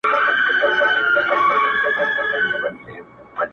دا حالت د خدای عطاء ده، د رمزونو په دنيا کي،